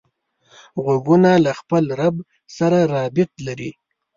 غوږونه له خپل رب سره رابط لري